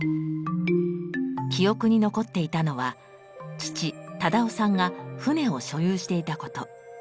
記憶に残っていたのは父・忠雄さんが船を所有していたこと。